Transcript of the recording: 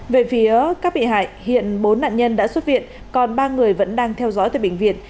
về phía các bị hại hiện bốn nạn nhân đã xuất viện còn ba người vẫn đang theo dõi tại bệnh viện